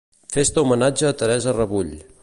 Festa homenatge a Teresa Rebull.